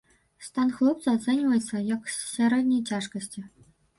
Стан хлопца ацэньваецца, як сярэдняй цяжкасці.